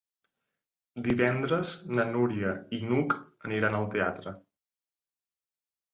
Divendres na Núria i n'Hug aniran al teatre.